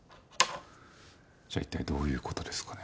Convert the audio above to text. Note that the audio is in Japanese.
じゃあ一体どういう事ですかね？